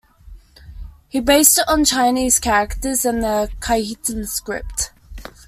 He based it on Chinese characters and the Khitan script.